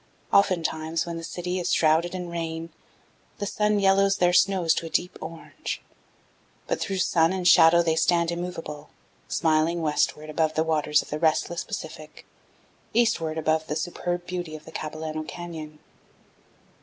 Oftentimes, when the city is shrouded in rain, the sun yellows their snows to a deep orange; but through sun and shadow they stand immovable, smiling westward above the waters of the restless Pacific, eastward above the superb beauty of the Capilano Canyon.